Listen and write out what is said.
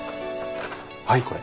はいこれ。